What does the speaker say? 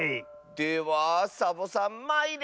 ではサボさんまいれ！